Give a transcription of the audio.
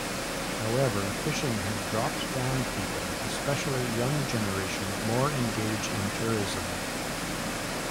However fishing has dropped down people especially young generation more engage in tourism.